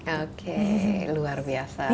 oke luar biasa